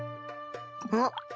あっ。